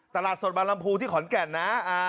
ตลาดสดบางลำพูที่ขอนแก่นนะ